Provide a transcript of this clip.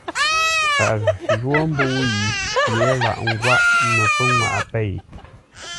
Paghʼə jwó mbə́ʉ yi pye laghʼ ngwáʼ no pənŋwaʼa pêi.